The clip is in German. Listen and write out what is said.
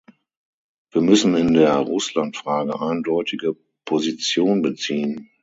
Wir müssen in der Russlandfrage eindeutige Position beziehen.